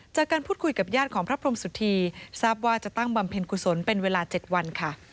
จากการพูดคุยกับญาติของพระพรมสุธีทราบว่าจะตั้งบำเพ็ญกุศลเป็นเวลา๗วันค่ะ